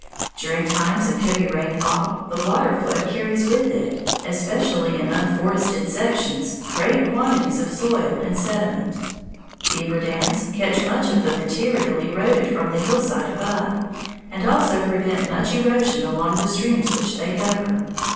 During times of heavy rainfall, the water flow carries with it, especially in unforested sections, great quantities of soil and sediment. Beaver dams catch much of the material eroded from the hillsides above, and also prevent much erosion along the streams which they govern.